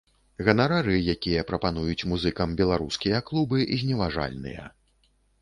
Ганарары, якія прапануюць музыкам беларускія клубы, зневажальныя.